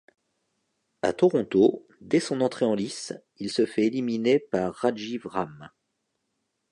A Toronto dès son entrée en lice il se fait éliminer par Rajeev Ram.